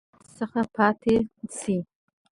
اوسني شدت حدت څخه پاتې شي.